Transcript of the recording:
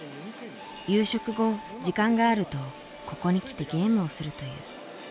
夕食後時間があるとここに来てゲームをするという。